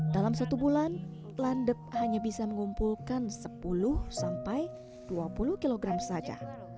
dalam satu bulan landep hanya bisa mengumpulkan sepuluh sampai dua puluh kg saja